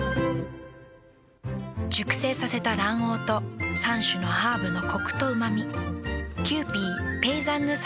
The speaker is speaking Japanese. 熟成させた卵黄と３種のハーブのコクとうま味。